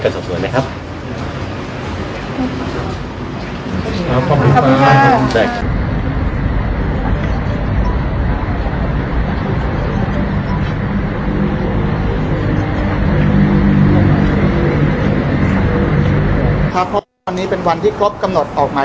พี่แจงในประเด็นที่เกี่ยวข้องกับความผิดที่ถูกเกาหา